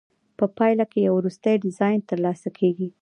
په پایله کې یو وروستی ډیزاین ترلاسه کیږي.